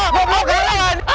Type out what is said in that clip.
jangan jangan jangan